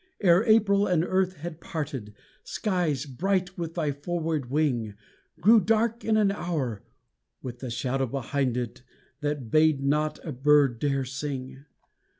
Ere April and earth had parted, Skies, bright with thy forward wing, Grew dark in an hour with the shadow behind it, that bade not a bird dare sing.